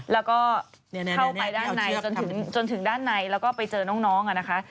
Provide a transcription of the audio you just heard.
แล้วก็เข้าไปด้านในจนถึงด้านในแล้วก็ไปเจอน้องนะคะ